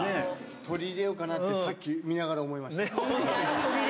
取り入れようかなって、さっき、見ながら思いました。